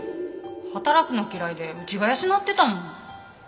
働くの嫌いでうちが養ってたもん。